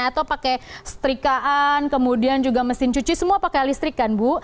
atau pakai setrikaan kemudian juga mesin cuci semua pakai listrik kan bu